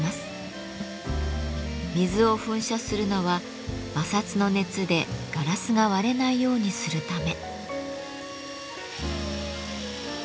水を噴射するのは摩擦の熱でガラスが割れないようにするため。